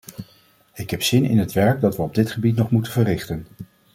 Ik heb zin in het werk dat we op dit gebied nog moeten verrichten.